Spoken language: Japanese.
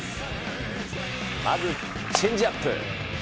まずチェンジアップ。